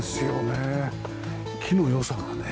木の良さがね